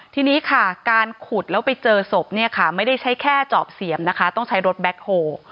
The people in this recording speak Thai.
ทีนี้ค่ะการขุดแล้วไปเจอศพเนี่ยค่ะไม่ได้ใช้แค่จอบเสียมนะคะต้องใช้รถแบ็คโฮล์